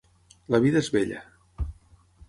La vida és bella.